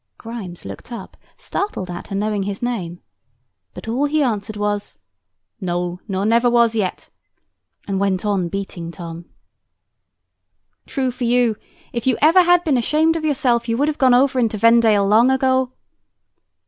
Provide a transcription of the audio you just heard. Grimes looked up, startled at her knowing his name; but all he answered was, "No, nor never was yet;" and went on beating Tom. "True for you. If you ever had been ashamed of yourself, you would have gone over into Vendale long ago."